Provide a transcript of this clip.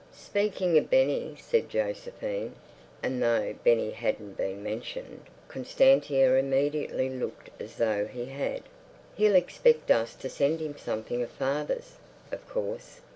"Speaking of Benny," said Josephine. And though Benny hadn't been mentioned Constantia immediately looked as though he had. "He'll expect us to send him something of father's, of course.